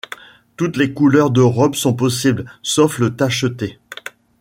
Toutes les couleurs de robes sont possibles, sauf le tacheté.